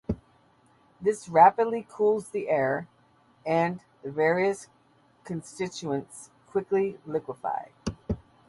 This rapidly cools the air, and the various constituents quickly liquefy.